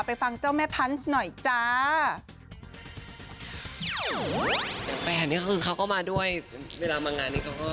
แปลกนี้คือเขาก็มาด้วยเวลามางานนี้เขาก็